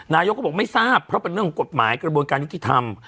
นายกก็บอกไม่ทราบเพราะเป็นเรื่องของกฎหมายกระบวนการยุติธรรม